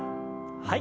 はい。